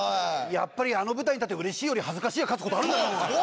やっぱりあの舞台に立ってうれしいより恥ずかしいが勝つ事あるんだな。